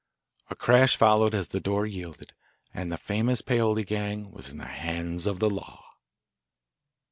A crash followed as the door yielded, and the famous Paoli gang was in the hands of the law.